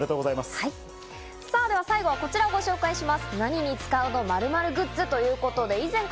さぁ、最後はこちらをご紹介します。